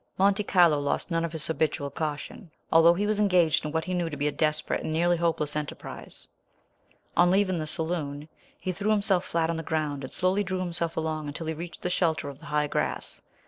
Monte Carlo lost none of his habitual caution, although he was engaged in what he knew to be a desperate and nearly hopeless enterprise. On leaving the saloon he threw himself flat on the ground, and slowly drew himself along until he reached the shelter of the high grass.